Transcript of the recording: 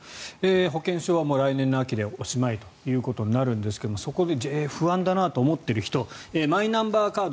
保険証は来年の秋でおしまいということになるんですがそこで不安だなと思ってる人マイナンバーカード